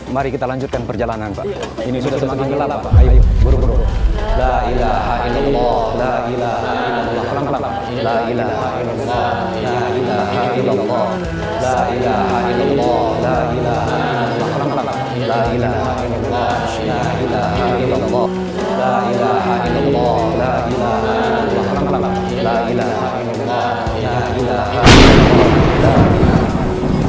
mari kita lanjutkan perjalanan ini semakin gelap buruk buruk ilahailallah ilahailallah ilahailallah